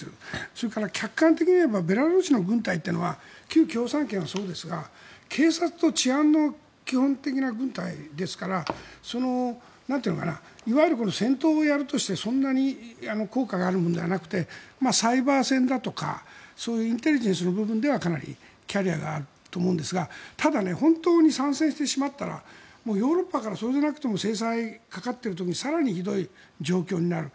それから客観的に言えばベラルーシの軍隊というのは旧共産圏はそうですが警察と治安の基本的な軍隊ですからいわゆる戦闘をやるとしてそんなに効果があるものではなくてサイバー戦だとかそういうインテリジェンスの部分ではかなりキャリアがあると思うんですがただ、本当に参戦してしまったらヨーロッパからそれでなくても制裁がかかっている時に更にひどい状況になる。